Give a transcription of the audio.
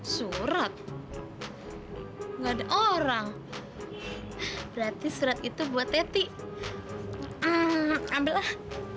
surat nggak ada orang berarti surat itu buat teti ambil lah